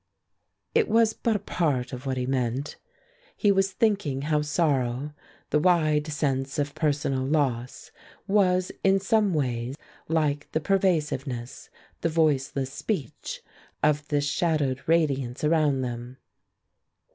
It was but a part of what he meant. He was thinking how sorrow, the wide sense of personal loss, was in some way like the pervasiveness, the voiceless speech, of this shadowed radiance around them.